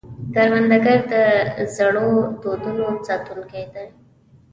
کروندګر د زړو دودونو ساتونکی دی